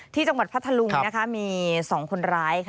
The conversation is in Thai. ที่จังหวัดพระทะลุงมี๒คนร้าย